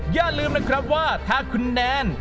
อย่าลืมนะครับว่าถ้าคุณแนน